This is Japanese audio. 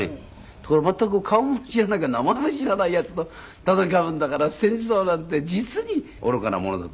ところが全く顔も知らなきゃ名前も知らないヤツと戦うんだから戦争なんて実に愚かなものだと思いましたよ。